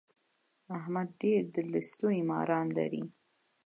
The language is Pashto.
احمد ډېر د لستوڼي ماران لري.